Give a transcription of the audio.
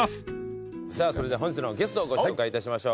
さぁそれでは本日のゲストをご紹介いたしましょう。